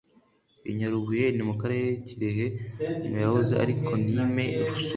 I Nyarubuye ni mu Karere Kirehe mu yahoze ari Konime Rusumo